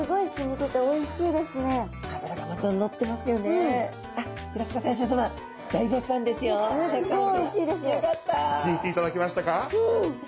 気に入っていただけましたか？